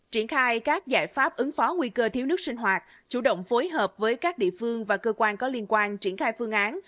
triển khai các giải pháp ứng phó nguy cơ thiếu nước sinh hoạt chủ động phối hợp với các địa phương và cơ quan có liên quan triển khai phương án